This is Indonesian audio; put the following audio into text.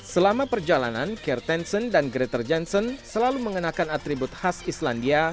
selama perjalanan kiertensen dan greta jensen selalu mengenakan atribut khas islandia